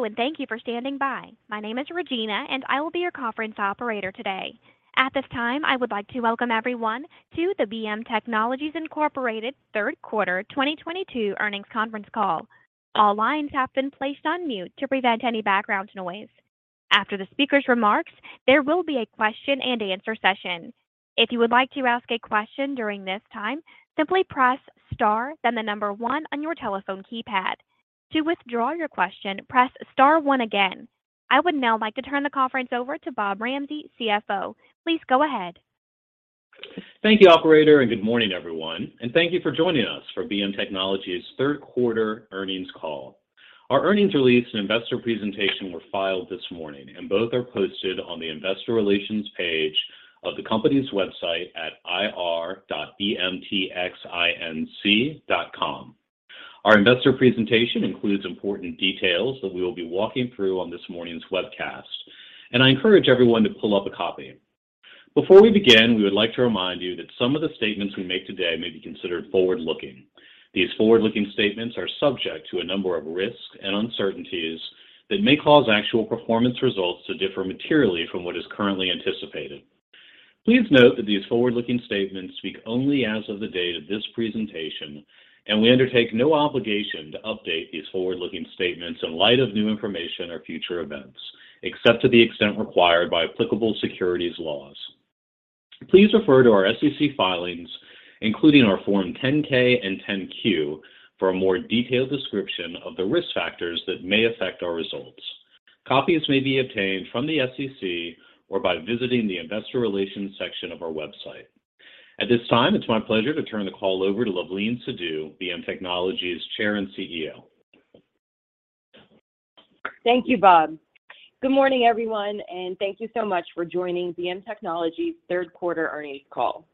Hello, thank you for standing by. My name is Regina, and I will be your conference operator today. At this time, I would like to welcome everyone to the BM Technologies, Inc. Q3 2022 earnings conference call. All lines have been placed on mute to prevent any background noise. After the speaker's remarks, there will be a question and answer session. If you would like to ask a question during this time, simply press Star, then the number one on your telephone keypad. To withdraw your question, press Star one again. I would now like to turn the conference over to Bob Ramsey, CFO. Please go ahead. Thank you, operator, and good morning, everyone, and thank you for joining us for BM Technologies Q3 earnings call. Our earnings release and investor presentation were filed this morning, and both are posted on the investor relations page of the company's website at ir.bmtxinc.com. Our investor presentation includes important details that we will be walking through on this morning's webcast, and I encourage everyone to pull up a copy. Before we begin, we would like to remind you that some of the statements we make today may be considered forward-looking. These forward-looking statements are subject to a number of risks and uncertainties that may cause actual performance results to differ materially from what is currently anticipated. Please note that these forward-looking statements speak only as of the date of this presentation, and we undertake no obligation to update these forward-looking statements in light of new information or future events, except to the extent required by applicable securities laws. Please refer to our SEC filings, including our Form 10-K and 10-Q for a more detailed description of the risk factors that may affect our results. Copies may be obtained from the SEC or by visiting the investor relations section of our website. At this time, it's my pleasure to turn the call over to Luvleen Sidhu, BM Technologies Chair and CEO. Thank you, Bob. Good morning, everyone, and thank you so much for joining BM Technologies Q3 earnings call.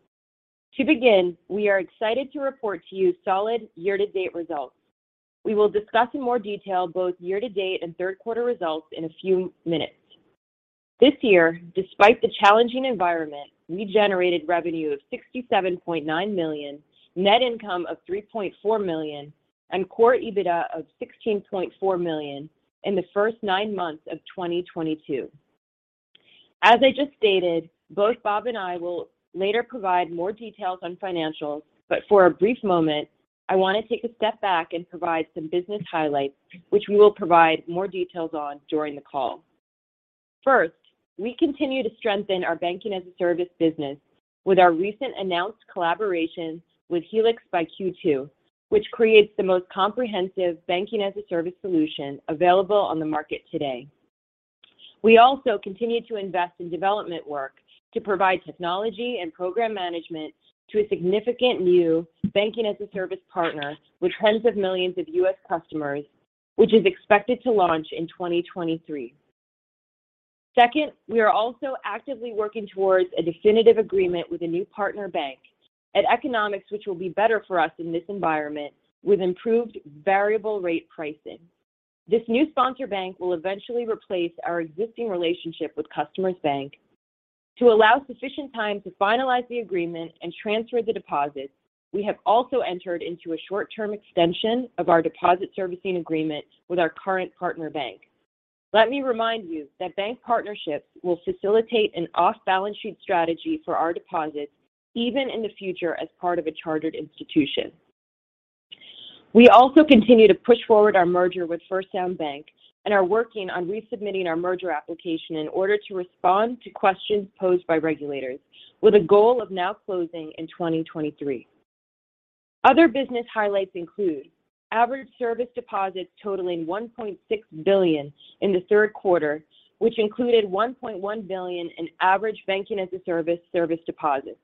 To begin, we are excited to report to you solid year-to-date results. We will discuss in more detail both year-to-date and Q3 results in a few minutes. This year, despite the challenging environment, we generated revenue of $67.9 million, net income of $3.4 million, and core EBITDA of $16.4 million in the first nine months of 2022. As I just stated, both Bob and I will later provide more details on financials, but for a brief moment, I want to take a step back and provide some business highlights which we will provide more details on during the call. First, we continue to strengthen our banking-as-a-service business with our recent announced collaboration with Helix by Q2, which creates the most comprehensive banking-as-a-service solution available on the market today. We also continue to invest in development work to provide technology and program management to a significant new banking-as-a-service partner with tens of millions of US customers, which is expected to launch in 2023. Second, we are also actively working towards a definitive agreement with a new partner bank at better economics, which will be better for us in this environment with improved variable rate pricing. This new sponsor bank will eventually replace our existing relationship with Customers Bank. To allow sufficient time to finalize the agreement and transfer the deposits, we have also entered into a short-term extension of our deposit servicing agreement with our current partner bank. Let me remind you that bank partnerships will facilitate an off-balance sheet strategy for our deposits even in the future as part of a chartered institution. We also continue to push forward our merger with First Sound Bank and are working on resubmitting our merger application in order to respond to questions posed by regulators with a goal of now closing in 2023. Other business highlights include average service deposits totaling $1.6 billion in the Q3, which included $1.1 billion in average Banking-as-a-Service deposits.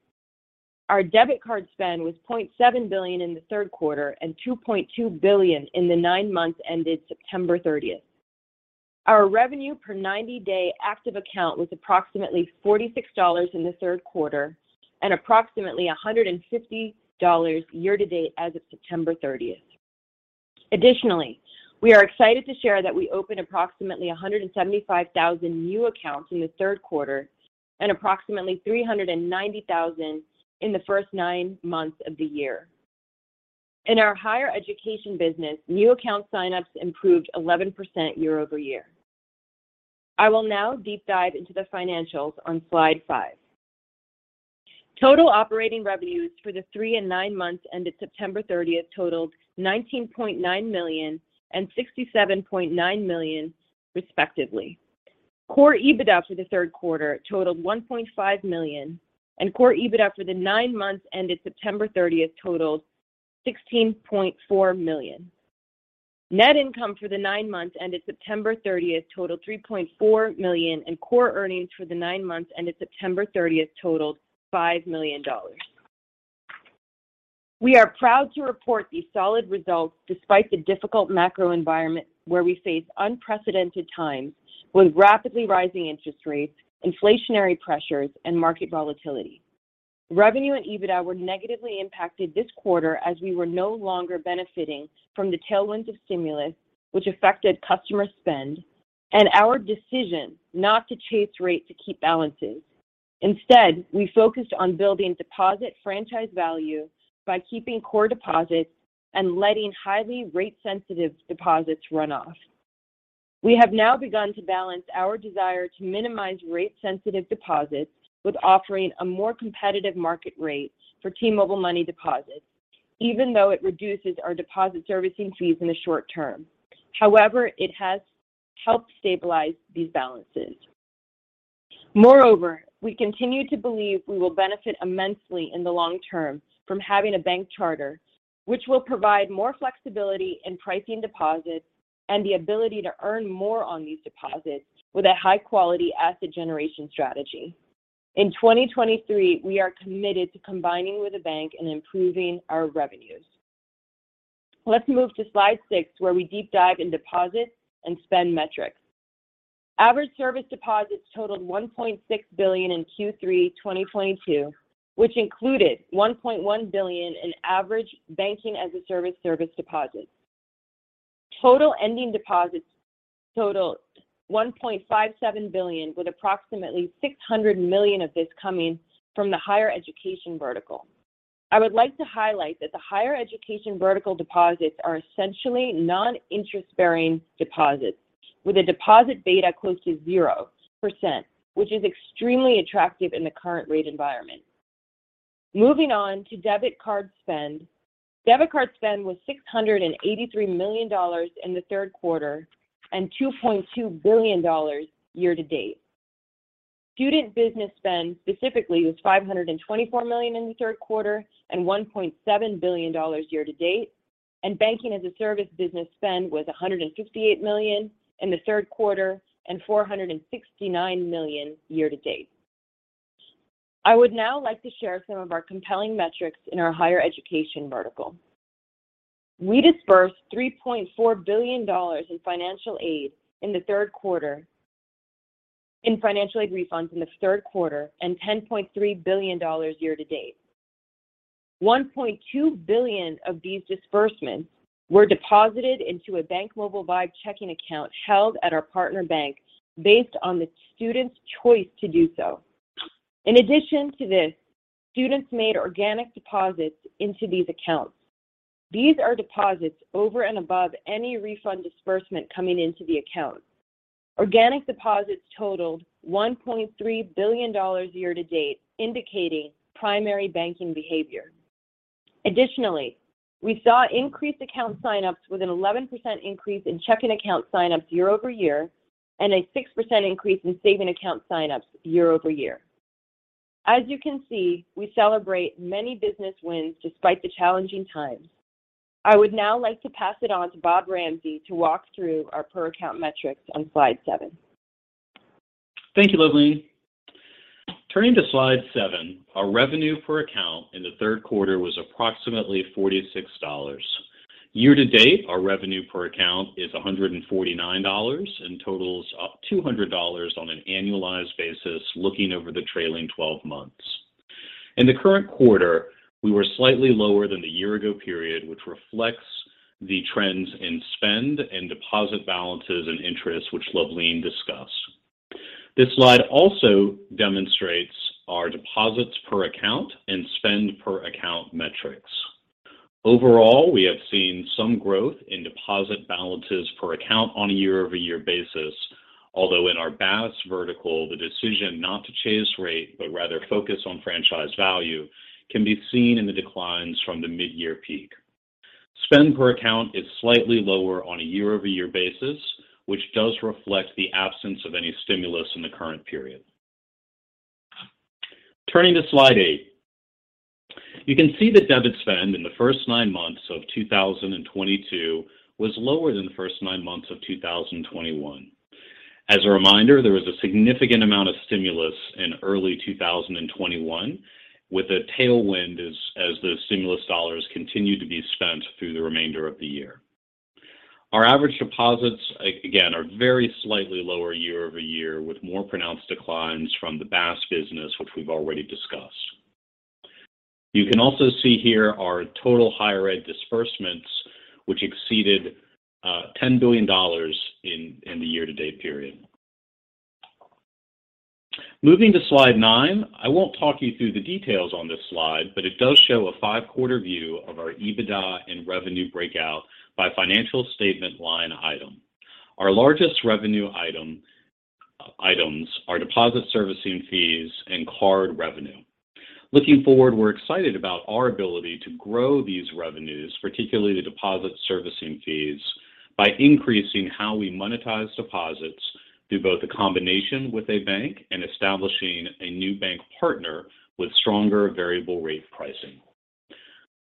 Our debit card spend was $0.7 billion in the Q3 and $2.2 billion in the nine months ended September 30. Our revenue per ninety-day active account was approximately $46 in the Q3 and approximately $150 year-to-date as of September 30. Additionally, we are excited to share that we opened approximately 175,000 new accounts in the Q3 and approximately 390,000 in the first nine months of the year. In our higher education business, new account sign-ups improved 11% year-over-year. I will now deep dive into the financials on slide five. Total operating revenues for the three and nine months ended September thirtieth totaled $19.9 million and $67.9 million, respectively. Core EBITDA for the Q3 totaled $1.5 million, and core EBITDA for the nine months ended September thirtieth totaled $16.4 million. Net income for the nine months ended September thirtieth totaled $3.4 million, and core earnings for the nine months ended September thirtieth totaled $5 million. We are proud to report these solid results despite the difficult macro environment where we face unprecedented times with rapidly rising interest rates, inflationary pressures, and market volatility. Revenue and EBITDA were negatively impacted this quarter as we were no longer benefiting from the tailwinds of stimulus which affected customer spend. Our decision not to chase rates to keep balances. Instead, we focused on building deposit franchise value by keeping core deposits and letting highly rate-sensitive deposits run off. We have now begun to balance our desire to minimize rate-sensitive deposits with offering a more competitive market rate for T-Mobile MONEY deposits, even though it reduces our deposit servicing fees in the short term. However, it has helped stabilize these balances. Moreover, we continue to believe we will benefit immensely in the long term from having a bank charter, which will provide more flexibility in pricing deposits and the ability to earn more on these deposits with a high-quality asset generation strategy. In 2023, we are committed to combining with a bank and improving our revenues. Let's move to slide six, where we deep dive in deposits and spend metrics. Average service deposits totaled $1.6 billion in Q3 2022, which included $1.1 billion in average Banking-as-a-Service service deposits. Total ending deposits totaled $1.57 billion, with approximately $600 million of this coming from the higher education vertical. I would like to highlight that the higher education vertical deposits are essentially non-interest-bearing deposits with a deposit beta close to 0%, which is extremely attractive in the current rate environment. Moving on to debit card spend. Debit card spend was $683 million in the Q3 and $2.2 billion year to date. Student business spend specifically was $524 million in the Q3 and $1.7 billion year to date, and Banking-as-a-Service business spend was $158 million in the Q3 and $469 million year to date. I would now like to share some of our compelling metrics in our higher education vertical. We disbursed $3.4 billion in financial aid refunds in the Q3 and $10.3 billion year to date. $1.2 billion of these disbursements were deposited into a BankMobile Vibe checking account held at our partner bank based on the student's choice to do so. In addition to this, students made organic deposits into these accounts. These are deposits over and above any refund disbursement coming into the account. Organic deposits totaled $1.3 billion year to date, indicating primary banking behavior. Additionally, we saw increased account sign-ups with an 11% increase in checking account sign-ups year-over-year, and a 6% increase in savings account sign-ups year-over-year. As you can see, we celebrate many business wins despite the challenging times. I would now like to pass it on to Bob Ramsey to walk through our per account metrics on slide seven. Thank you, Luvleen. Turning to slide seven, our revenue per account in the Q3 was approximately $46. Year to date, our revenue per account is $149 and totals up $200 on an annualized basis looking over the trailing twelve months. In the current quarter, we were slightly lower than the year ago period, which reflects the trends in spend and deposit balances and interest, which Luvleen discussed. This slide also demonstrates our deposits per account and spend per account metrics. Overall, we have seen some growth in deposit balances per account on a year-over-year basis. Although in our BaaS vertical, the decision not to chase rate but rather focus on franchise value can be seen in the declines from the mid-year peak. Spend per account is slightly lower on a year-over-year basis, which does reflect the absence of any stimulus in the current period. Turning to slide eight. You can see that debit spend in the first nine months of 2022 was lower than the first nine months of 2021. As a reminder, there was a significant amount of stimulus in early 2021 with a tailwind as the stimulus dollars continued to be spent through the remainder of the year. Our average deposits, again, are very slightly lower year-over-year, with more pronounced declines from the BaaS business, which we've already discussed. You can also see here our total higher ed disbursements, which exceeded $10 billion in the year-to-date period. Moving to slide nine. I won't talk you through the details on this slide, but it does show a five-quarter view of our EBITDA and revenue breakout by financial statement line item. Our largest revenue items are deposit servicing fees and card revenue. Looking forward, we're excited about our ability to grow these revenues, particularly the deposit servicing fees, by increasing how we monetize deposits through both a combination with a bank and establishing a new bank partner with stronger variable rate pricing.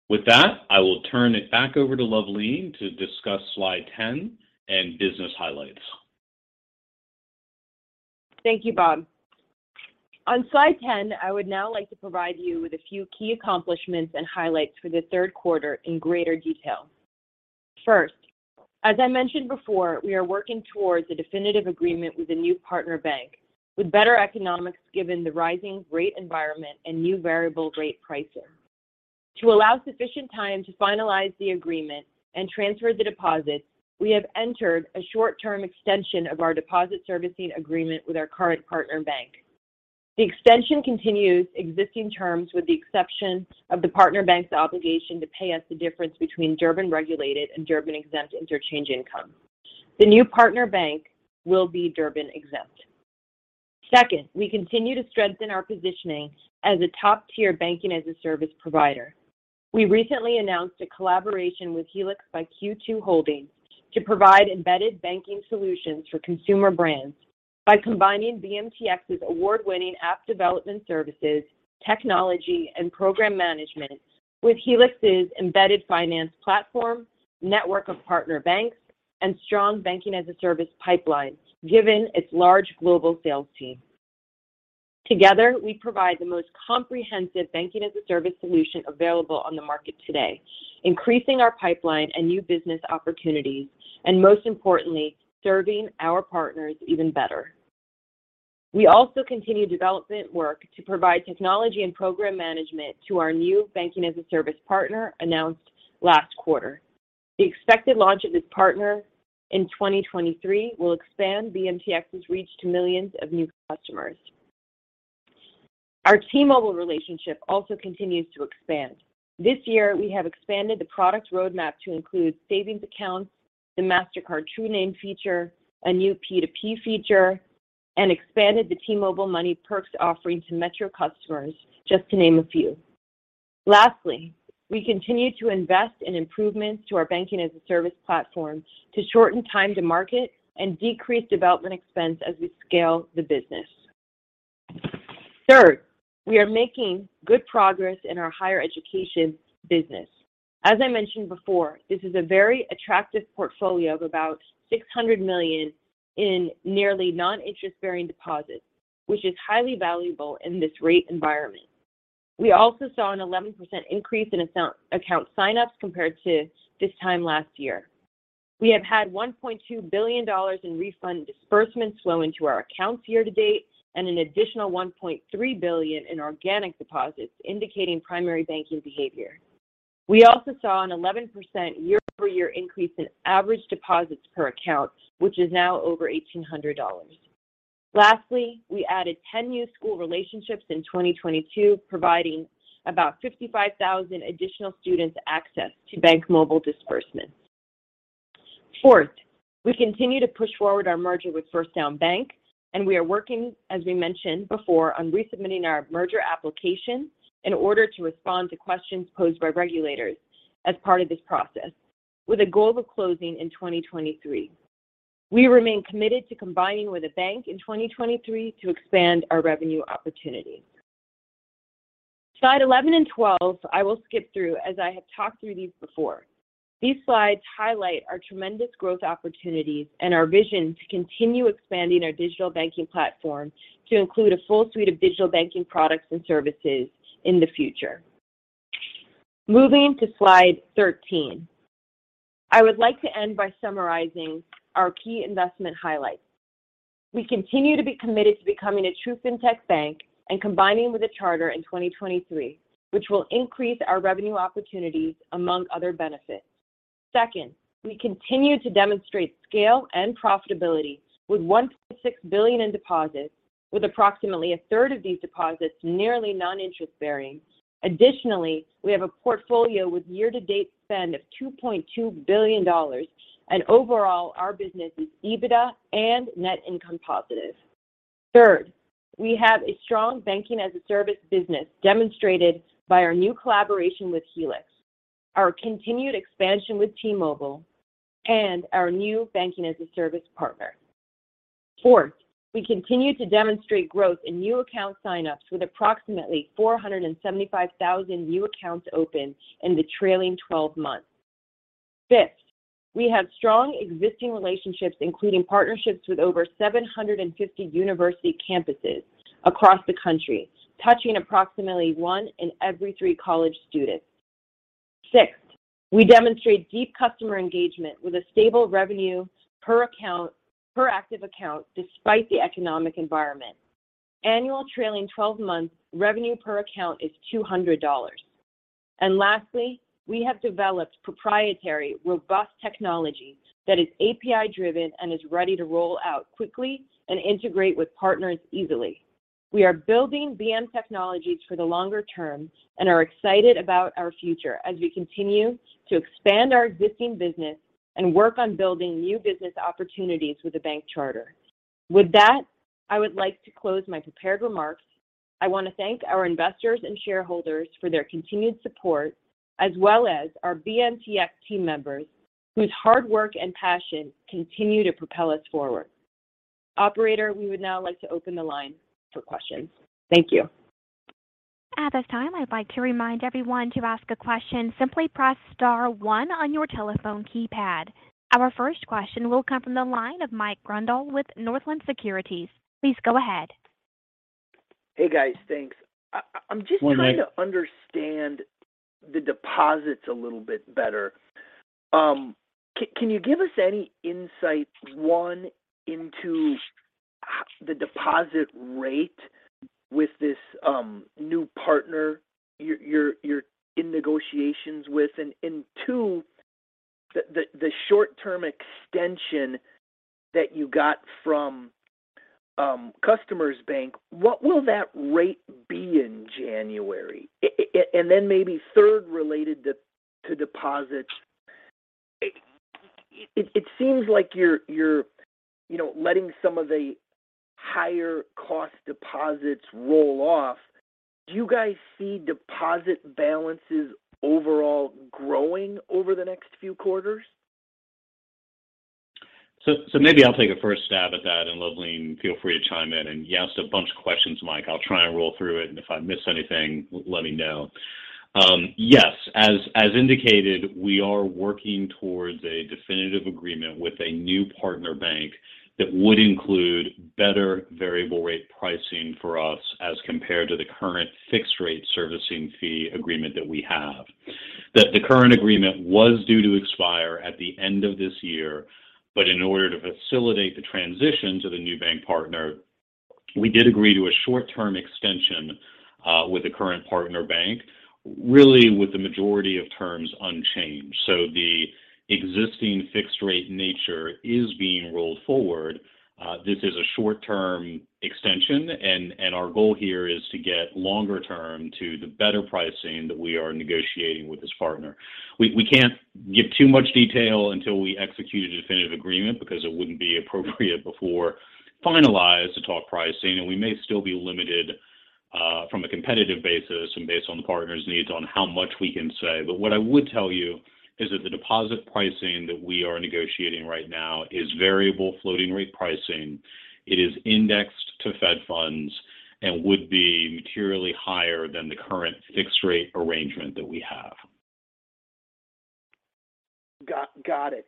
With that, I will turn it back over to Luvleen to discuss slide ten and business highlights. Thank you, Bob. On slide 10, I would now like to provide you with a few key accomplishments and highlights for the Q3 in greater detail. First, as I mentioned before, we are working towards a definitive agreement with a new partner bank with better economics given the rising rate environment and new variable rate pricing. To allow sufficient time to finalize the agreement and transfer the deposits, we have entered a short-term extension of our deposit servicing agreement with our current partner bank. The extension continues existing terms with the exception of the partner bank's obligation to pay us the difference between Durbin-regulated and Durbin-exempt interchange income. The new partner bank will be Durbin exempt. Second, we continue to strengthen our positioning as a top-tier banking-as-a-service provider. We recently announced a collaboration with Helix by Q2 Holdings to provide embedded banking solutions for consumer brands by combining BMTX's award-winning app development services, technology, and program management with Helix's embedded finance platform, network of partner banks, and strong Banking-as-a-Service pipeline, given its large global sales team. Together, we provide the most comprehensive Banking-as-a-Service solution available on the market today, increasing our pipeline and new business opportunities, and most importantly, serving our partners even better. We also continue development work to provide technology and program management to our new Banking-as-a-Service partner announced last quarter. The expected launch of this partner in 2023 will expand BMTX's reach to millions of new customers. Our T-Mobile relationship also continues to expand. This year, we have expanded the product roadmap to include savings accounts, the Mastercard True Name feature, a new P2P feature, and expanded the T-Mobile Money perks offering to Metro customers, just to name a few. Lastly, we continue to invest in improvements to our banking-as-a-service platform to shorten time to market and decrease development expense as we scale the business. Third, we are making good progress in our higher education business. As I mentioned before, this is a very attractive portfolio of about $600 million in nearly non-interest-bearing deposits, which is highly valuable in this rate environment. We also saw an 11% increase in account sign-ups compared to this time last year. We have had $1.2 billion in refund disbursements flow into our accounts year to date and an additional $1.3 billion in organic deposits indicating primary banking behavior. We also saw an 11% year-over-year increase in average deposits per account, which is now over $1,800. Lastly, we added 10 new school relationships in 2022, providing about 55,000 additional students access to BankMobile disbursements. Fourth, we continue to push forward our merger with First Sound Bank, and we are working, as we mentioned before, on resubmitting our merger application in order to respond to questions posed by regulators as part of this process with a goal of closing in 2023. We remain committed to combining with a bank in 2023 to expand our revenue opportunities. Slide 11 and 12 I will skip through as I have talked through these before. These slides highlight our tremendous growth opportunities and our vision to continue expanding our digital banking platform to include a full suite of digital banking products and services in the future. Moving to slide 13. I would like to end by summarizing our key investment highlights. We continue to be committed to becoming a true fintech bank and combining with a charter in 2023, which will increase our revenue opportunities among other benefits. Second, we continue to demonstrate scale and profitability with $1.6 billion in deposits, with approximately a third of these deposits nearly non-interest bearing. Additionally, we have a portfolio with year-to-date spend of $2.2 billion, and overall, our business is EBITDA and net income positive. Third, we have a strong banking-as-a-service business demonstrated by our new collaboration with Helix, our continued expansion with T-Mobile, and our new banking-as-a-service partner. Fourth, we continue to demonstrate growth in new account sign-ups with approximately 475,000 new accounts opened in the trailing twelve months. Fifth, we have strong existing relationships, including partnerships with over 750 university campuses across the country, touching approximately one in every three college students. Sixth, we demonstrate deep customer engagement with a stable revenue per account, per active account despite the economic environment. Annual trailing twelve-month revenue per account is $200. Lastly, we have developed proprietary, robust technology that is API-driven and is ready to roll out quickly and integrate with partners easily. We are building BM Technologies for the longer term and are excited about our future as we continue to expand our existing business and work on building new business opportunities with a bank charter. With that, I would like to close my prepared remarks. I want to thank our investors and shareholders for their continued support as well as our BMTX team members whose hard work and passion continue to propel us forward. Operator, we would now like to open the line for questions. Thank you. At this time, I'd like to remind everyone to ask a question, simply press star one on your telephone keypad. Our first question will come from the line of Mike Grondahl with Northland Securities. Please go ahead. Hey guys. Thanks. I'm just trying to understand the deposits a little bit better. Can you give us any insight, one, into The deposit rate with this new partner you're in negotiations with. Two, the short-term extension that you got from Customers Bank, what will that rate be in January? Then maybe third related to deposits, it seems like you're you know, letting some of the higher cost deposits roll off. Do you guys see deposit balances overall growing over the next few quarters? Maybe I'll take a first stab at that, and Luvleen, feel free to chime in. You asked a bunch of questions, Mike. I'll try and roll through it, and if I miss anything, let me know. Yes, as indicated, we are working towards a definitive agreement with a new partner bank that would include better variable rate pricing for us as compared to the current fixed rate servicing fee agreement that we have. The current agreement was due to expire at the end of this year, but in order to facilitate the transition to the new bank partner, we did agree to a short-term extension with the current partner bank, really with the majority of terms unchanged. The existing fixed rate nature is being rolled forward. This is a short-term extension, and our goal here is to get longer term to the better pricing that we are negotiating with this partner. We can't give too much detail until we execute a definitive agreement because it wouldn't be appropriate before it's finalized to talk pricing, and we may still be limited from a competitive basis and based on the partner's needs on how much we can say. What I would tell you is that the deposit pricing that we are negotiating right now is variable floating rate pricing. It is indexed to Federal funds and would be materially higher than the current fixed rate arrangement that we have. Got it.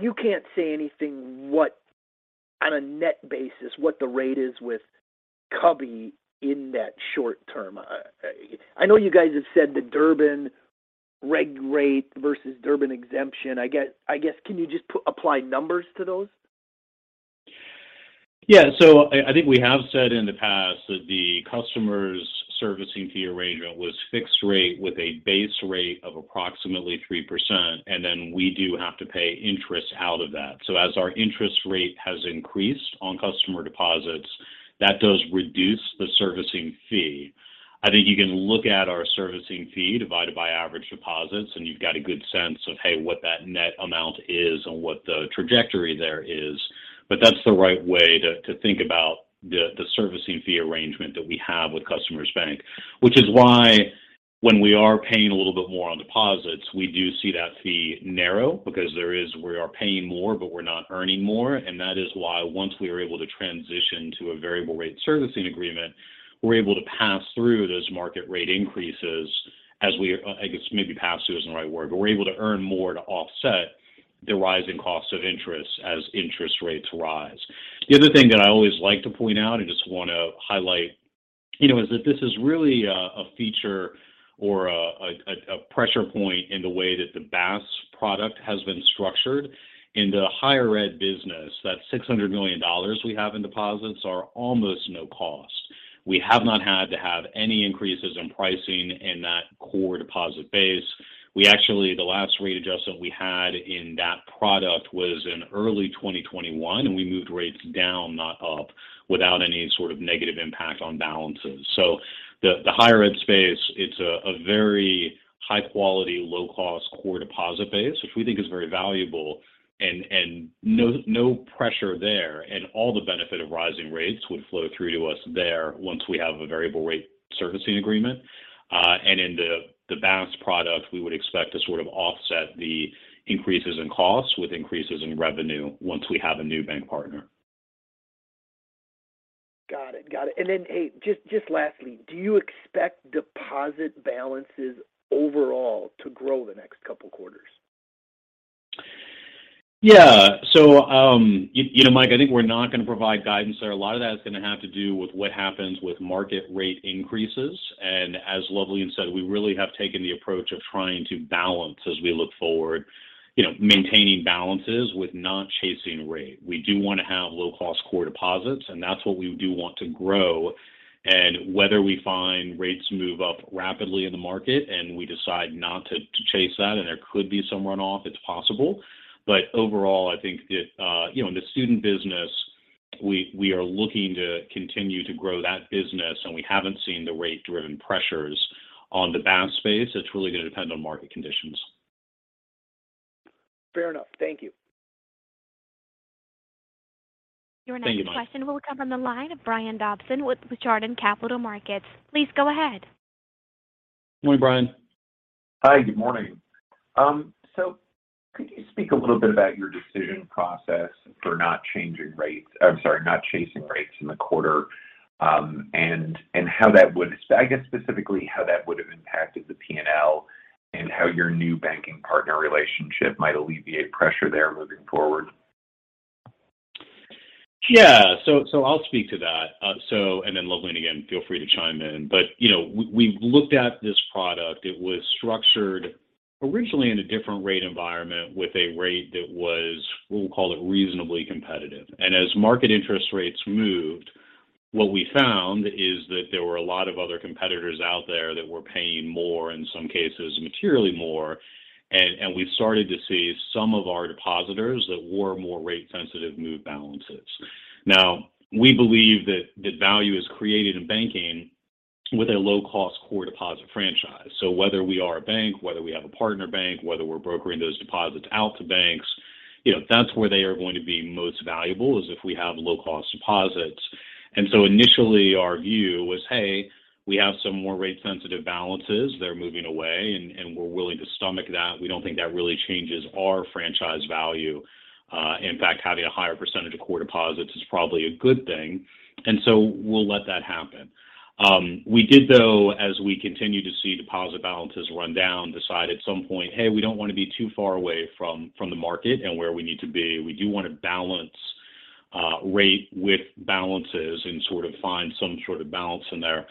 You can't say anything on a net basis what the rate is with Customers Bank in that short term. I know you guys have said the Durbin-regulated rate versus Durbin exemption. I guess, can you just apply numbers to those? Yeah. I think we have said in the past that the Customers' servicing fee arrangement was fixed rate with a base rate of approximately 3%, and then we do have to pay interest out of that. As our interest rate has increased on customer deposits, that does reduce the servicing fee. I think you can look at our servicing fee divided by average deposits, and you've got a good sense of, hey, what that net amount is and what the trajectory there is. That's the right way to think about the servicing fee arrangement that we have with Customers Bank. Which is why when we are paying a little bit more on deposits, we do see that fee narrow because there is, we are paying more, but we're not earning more. That is why once we are able to transition to a variable rate servicing agreement, we're able to pass through those market rate increases, I guess maybe pass through isn't the right word, but we're able to earn more to offset the rising costs of interest as interest rates rise. The other thing that I always like to point out and just wanna highlight, you know, is that this is really a feature or a pressure point in the way that the BaaS product has been structured. In the higher ed business, that $600 million we have in deposits are almost no cost. We have not had to have any increases in pricing in that core deposit base. Actually, the last rate adjustment we had in that product was in early 2021, and we moved rates down, not up, without any sort of negative impact on balances. The higher ed space, it's a very high-quality, low-cost core deposit base, which we think is very valuable and no pressure there. All the benefit of rising rates would flow through to us there once we have a variable rate servicing agreement. In the BaaS product, we would expect to sort of offset the increases in costs with increases in revenue once we have a new bank partner. Got it. Hey, just lastly, do you expect deposit balances overall to grow the next couple quarters? Yeah. You know, Mike, I think we're not going to provide guidance there. A lot of that is going to have to do with what happens with market rate increases. As Luvleen said, we really have taken the approach of trying to balance as we look forward, you know, maintaining balances with not chasing rate. We do want to have low-cost core deposits, and that's what we do want to grow. Whether we find rates move up rapidly in the market and we decide not to chase that and there could be some runoff, it's possible. Overall, I think you know, in the student business, we are looking to continue to grow that business, and we haven't seen the rate-driven pressures on the BaaS space. It's really going to depend on market conditions. Fair enough. Thank you. Thank you, Mike. Your next question will come from the line of Brian Dobson with Chardan Capital Markets. Please go ahead. Morning, Brian. Hi, good morning. Could you speak a little bit about your decision process for not chasing rates in the quarter, and how that would, I guess specifically how that would have impacted the P&L and how your new banking partner relationship might alleviate pressure there moving forward? I'll speak to that. Then Luvleen, again, feel free to chime in. You know, we looked at this product. It was structured originally in a different rate environment with a rate that was, we'll call it reasonably competitive. As market interest rates moved, what we found is that there were a lot of other competitors out there that were paying more, in some cases materially more. We started to see some of our depositors that were more rate sensitive move balances. Now we believe that value is created in banking with a low-cost core deposit franchise. Whether we are a bank, whether we have a partner bank, whether we're brokering those deposits out to banks, you know, that's where they are going to be most valuable is if we have low-cost deposits. Initially our view was, "Hey, we have some more rate-sensitive balances. They're moving away, and we're willing to stomach that. We don't think that really changes our franchise value. In fact, having a higher percentage of core deposits is probably a good thing. We'll let that happen." We did, though, as we continued to see deposit balances run down, decide at some point, "Hey, we don't want to be too far away from the market and where we need to be. We do want to balance rate with balances and sort of find some sort of balance in there."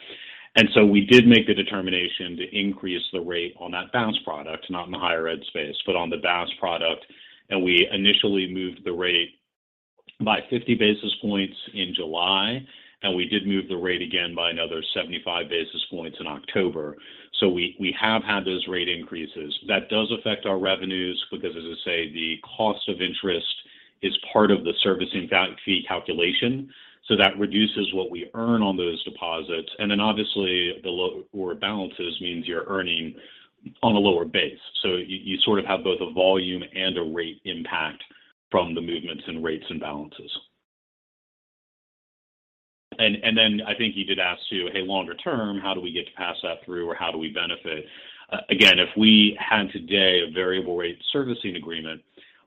We did make the determination to increase the rate on that BaaS product, not in the higher ed space, but on the BaaS product. We initially moved the rate by 50 basis points in July, and we did move the rate again by another 75 basis points in October. We have had those rate increases. That does affect our revenues because, as I say, the cost of interest is part of the servicing fee calculation, so that reduces what we earn on those deposits. Obviously, the lower balances means you're earning on a lower base. You sort of have both a volume and a rate impact from the movements in rates and balances. I think you did ask too, hey, longer term, how do we get to pass that through or how do we benefit? Again, if we had today a variable rate servicing agreement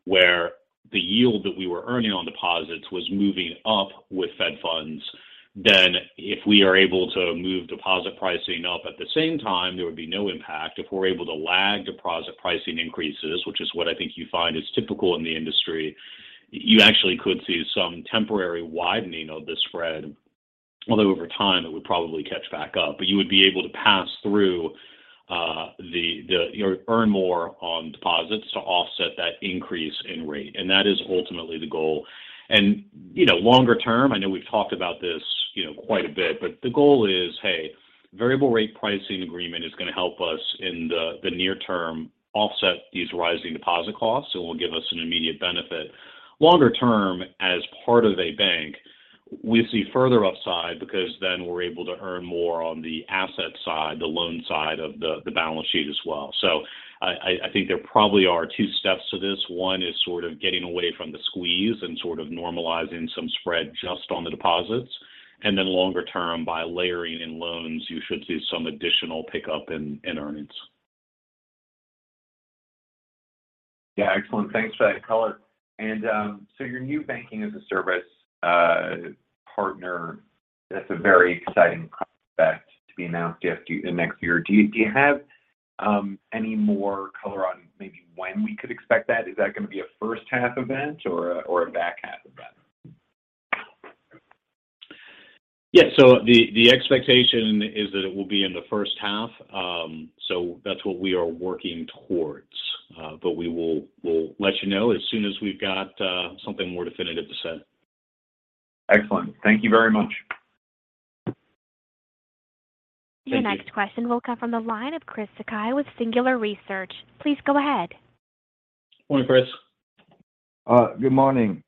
where the yield that we were earning on deposits was moving up with Federal funds, then if we are able to move deposit pricing up at the same time, there would be no impact. If we're able to lag deposit pricing increases, which is what I think you find is typical in the industry, you actually could see some temporary widening of the spread, although over time, it would probably catch back up. But you would be able to pass through the, you know, earn more on deposits to offset that increase in rate. That is ultimately the goal. You know, longer term, I know we've talked about this, you know, quite a bit, but the goal is, hey, variable rate pricing agreement is going to help us in the near term offset these rising deposit costs. It will give us an immediate benefit. Longer term, as part of a bank, we see further upside because then we're able to earn more on the asset side, the loan side of the balance sheet as well. I think there probably are two steps to this. One is sort of getting away from the squeeze and sort of normalizing some spread just on the deposits. Longer term, by layering in loans, you should see some additional pickup in earnings. Yeah. Excellent. Thanks for that color. Your new Banking-as-a-Service partner, that's a very exciting prospect to be announced next year. Do you have any more color on maybe when we could expect that? Is that going to be a H1 event or a back half event? Yeah. The expectation is that it will be in the H1. That's what we are working towards. We'll let you know as soon as we've got something more definitive to say. Excellent. Thank you very much. Thank you. Your next question will come from the line of Chris Sakai with Singular Research. Please go ahead. Morning, Chris. Good morning.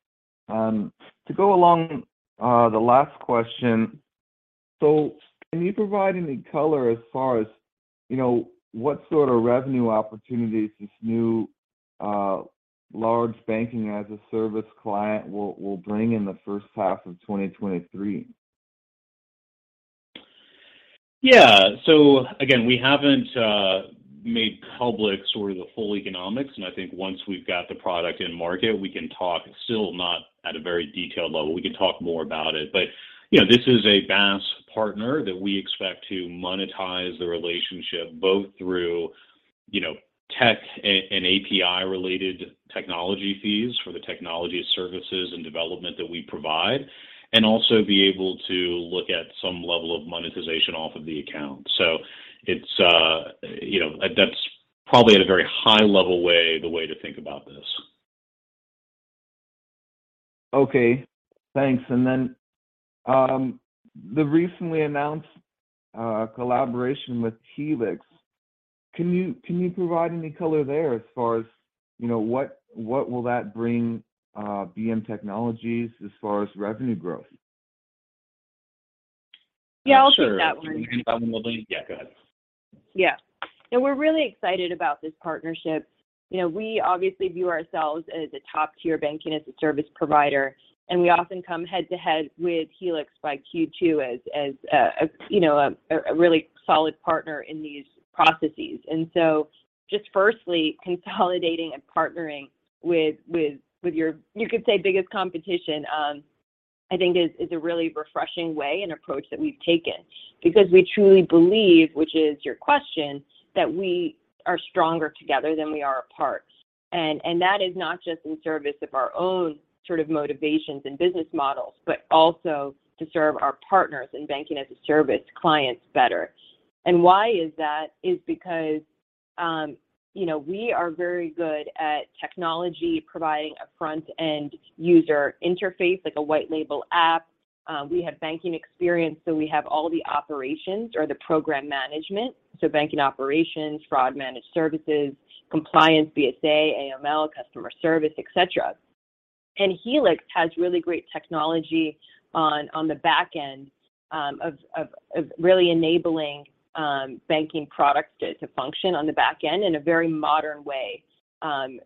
To go along the last question, can you provide any color as far as, you know, what sort of revenue opportunities this new, large banking-as-a-service client will bring in the H1 of 2023? Yeah. Again, we haven't made public sort of the full economics, and I think once we've got the product in market, we can talk, still not at a very detailed level, we can talk more about it. You know, this is a BaaS partner that we expect to monetize the relationship both through, you know, tech and API-related technology fees for the technology services and development that we provide, and also be able to look at some level of monetization off of the account. It's, you know, that's probably at a very high-level way, the way to think about this. Okay. Thanks. The recently announced collaboration with Helix, can you provide any color there as far as, you know, what will that bring BM Technologies as far as revenue growth? Sure. Yeah, I'll take that one. Do you want me to take that one, Luvleen? Yeah, go ahead. Yeah. We're really excited about this partnership. You know, we obviously view ourselves as a top-tier Banking-as-a-Service provider, and we often come head to head with Helix by Q2 as a really solid partner in these processes. Just firstly, consolidating and partnering with your biggest competition, I think is a really refreshing way and approach that we've taken because we truly believe, which is your question, that we are stronger together than we are apart. That is not just in service of our own sort of motivations and business models, but also to serve our partners in Banking-as-a-Service clients better. Why is that? Because you know, we are very good at technology, providing a front-end user interface, like a white label app. We have banking experience, so we have all the operations or the program management, so banking operations, fraud management services, compliance, BSA, AML, customer service, et cetera. Helix has really great technology on the back end of really enabling banking products to function on the back end in a very modern way.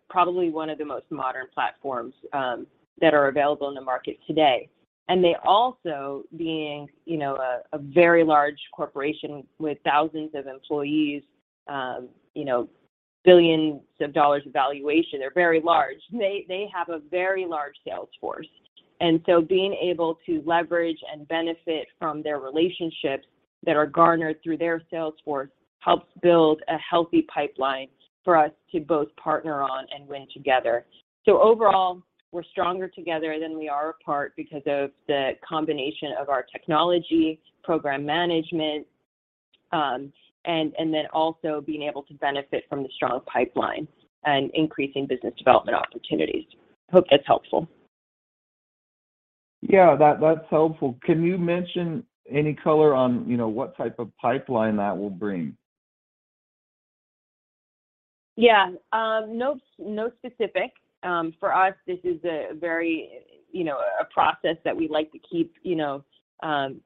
Probably one of the most modern platforms that are available in the market today. They also being you know a very large corporation with thousands of employees you know billions of dollars of valuation. They're very large. They have a very large sales force. Being able to leverage and benefit from their relationships that are garnered through their sales force helps build a healthy pipeline for us to both partner on and win together. Overall, we're stronger together than we are apart because of the combination of our technology, program management, and then also being able to benefit from the strong pipeline and increasing business development opportunities. Hope that's helpful. Yeah. That's helpful. Can you mention any color on, you know, what type of pipeline that will bring? Yeah. No specific. For us, this is a very, you know, a process that we like to keep, you know,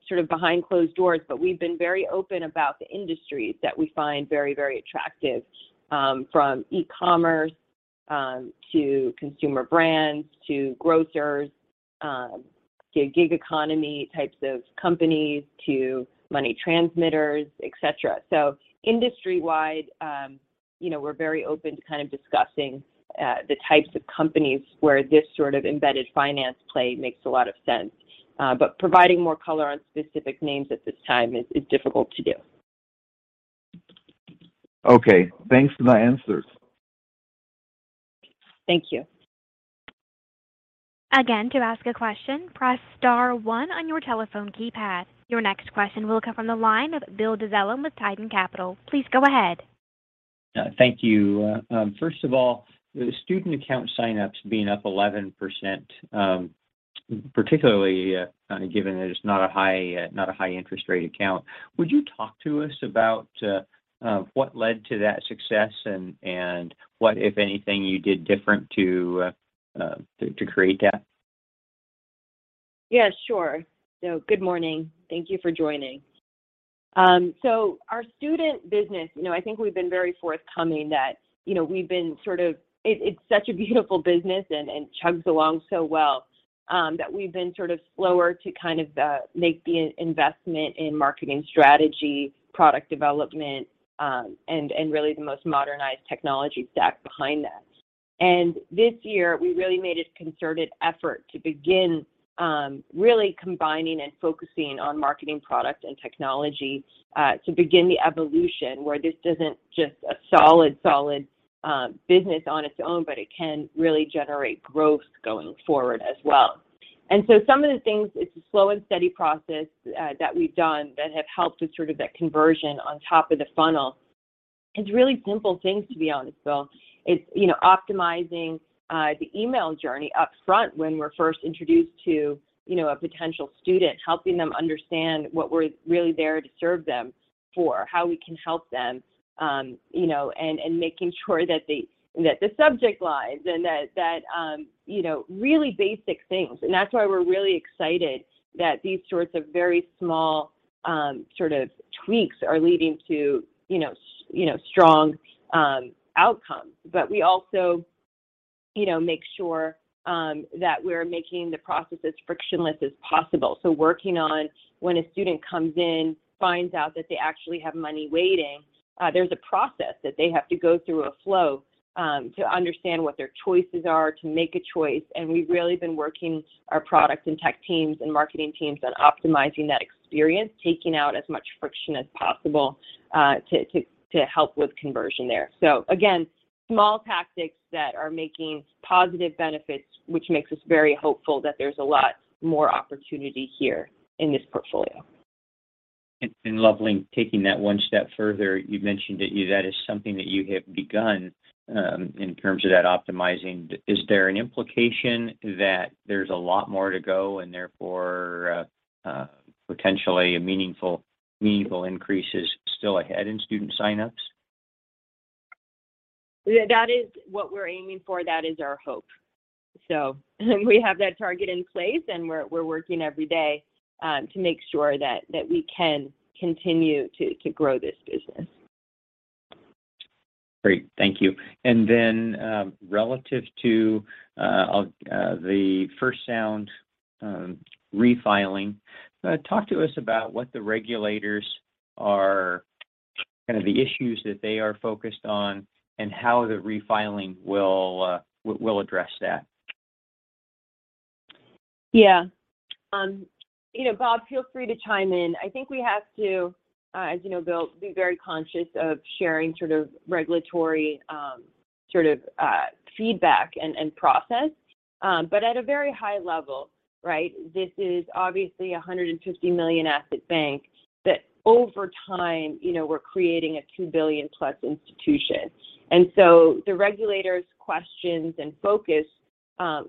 sort of behind closed doors. We've been very open about the industries that we find very, very attractive, from e-commerce, to consumer brands to grocers, to gig economy types of companies to money transmitters, et cetera. Industry-wide, you know, we're very open to kind of discussing the types of companies where this sort of embedded finance play makes a lot of sense. Providing more color on specific names at this time is difficult to do. Okay. Thanks for the answers. Thank you. Again, to ask a question, press star one on your telephone keypad. Your next question will come from the line of Bill Dezellem with Tieton Capital. Please go ahead. Thank you. First of all, the student account sign-ups being up 11%, particularly, kind of given that it's not a high interest rate account, would you talk to us about what led to that success and what, if anything, you did different to create that? Yeah, sure. Good morning. Thank you for joining. Our student business, you know, I think we've been very forthcoming that, you know, we've been sort of it's such a beautiful business and chugs along so well, that we've been sort of slower to kind of make the investment in marketing strategy, product development, and really the most modernized technology stack behind that. This year, we really made a concerted effort to begin really combining and focusing on marketing product and technology to begin the evolution where this isn't just a solid business on its own, but it can really generate growth going forward as well. Some of the things, it's a slow and steady process that we've done that have helped with sort of that conversion on top of the funnel. It's really simple things, to be honest, Bill. It's, you know, optimizing the email journey up front when we're first introduced to, you know, a potential student, helping them understand what we're really there to serve them for, how we can help them, you know, and making sure that the subject lines and that, you know, really basic things. That's why we're really excited that these sorts of very small sort of tweaks are leading to, you know, strong outcomes. But we also, you know, make sure that we're making the process as frictionless as possible. Working on when a student comes in, finds out that they actually have money waiting, there's a process that they have to go through a flow to understand what their choices are, to make a choice. We've really been working our product and tech teams and marketing teams on optimizing that experience, taking out as much friction as possible, to help with conversion there. Again, small tactics that are making positive benefits, which makes us very hopeful that there's a lot more opportunity here in this portfolio. Luvleen, taking that one step further, you mentioned that that is something that you have begun in terms of that optimizing. Is there an implication that there's a lot more to go and therefore potentially a meaningful increase is still ahead in student sign-ups? That is what we're aiming for. That is our hope. We have that target in place, and we're working every day to make sure that we can continue to grow this business. Great. Thank you. Relative to the First Sound refiling, talk to us about the issues that the regulators are focused on and how the refiling will address that. Yeah. You know, Bob, feel free to chime in. I think we have to, as you know, Bill, be very conscious of sharing sort of regulatory sort of feedback and process, but at a very high level, right? This is obviously a $150 million asset bank that over time, you know, we're creating a $2 billion+ institution. The regulators' questions and focus,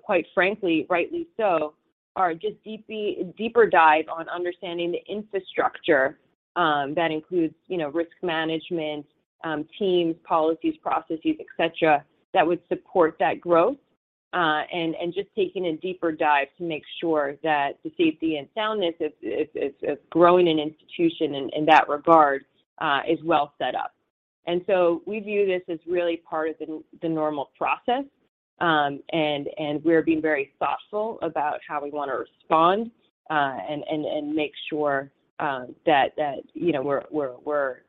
quite frankly, rightly so, are just deeper dive on understanding the infrastructure that includes, you know, risk management teams, policies, processes, et cetera, that would support that growth, and just taking a deeper dive to make sure that the safety and soundness of growing an institution in that regard is well set up. We view this as really part of the normal process, and we're being very thoughtful about how we wanna respond, and make sure that, you know, we're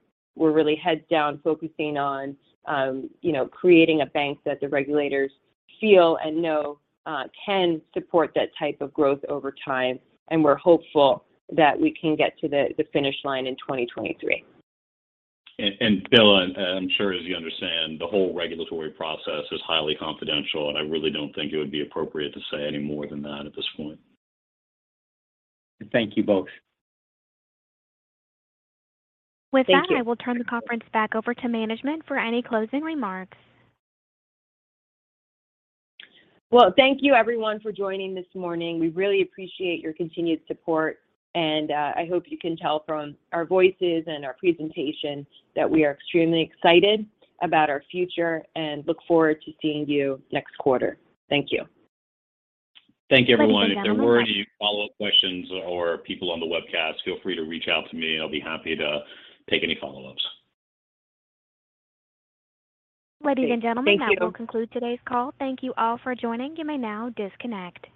really heads down focusing on, you know, creating a bank that the regulators feel and know can support that type of growth over time. We're hopeful that we can get to the finish line in 2023. Bill, I'm sure as you understand, the whole regulatory process is highly confidential, and I really don't think it would be appropriate to say any more than that at this point. Thank you both. Thank you. With that, I will turn the conference back over to management for any closing remarks. Well, thank you everyone for joining this morning. We really appreciate your continued support, and I hope you can tell from our voices and our presentation that we are extremely excited about our future and look forward to seeing you next quarter. Thank you. Thank you everyone. Ladies and gentlemen, we're done. If there were any follow-up questions or people on the webcast, feel free to reach out to me, and I'll be happy to take any follow-ups. Great. Thank you. Ladies and gentlemen, that will conclude today's call. Thank you all for joining. You may now disconnect.